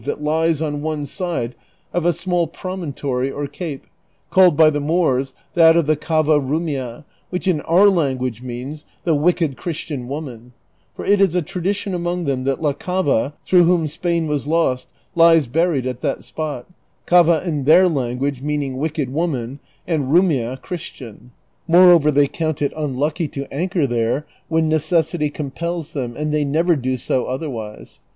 that lies on one side of a small promontory or cape, called by the Moors that of the " Cava rumia," which in our language means " the wicked Christian woman ;" for it is a tradition among them that La Cava, through wliom Spain was lost, lies buried at that spot ;" cava " in their language meaning " wicked woman," and " rumia" " Chris tian ;"' moreover, they count it unlucky to anchor there when neces sity compels them, and they never do so otherwise.